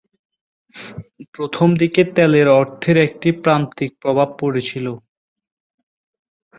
প্রথমদিকে, তেলের অর্থের একটি প্রান্তিক প্রভাব পড়েছিল।